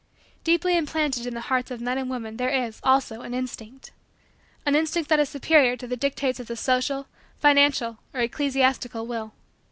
Deeply implanted in the hearts of men and women there is, also, an instinct; an instinct that is superior to the dictates of the social, financial, or ecclesiastical will.